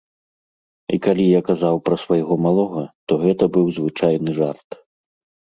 І калі я казаў пра свайго малога, то гэта быў звычайны жарт.